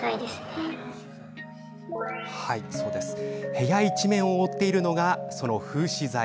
部屋一面を覆っているのが封止材。